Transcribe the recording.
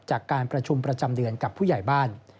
จากการประชุมประจำเดือนกับผู้ใหญ่บ้าน